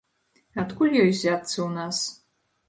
Адкуль ёй узяцца ў нас?